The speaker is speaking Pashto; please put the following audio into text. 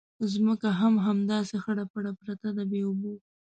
ځمکه هم همداسې خړه پړه پرته ده بې اوبو.